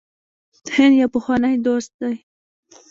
هند یو پخوانی دوست دی.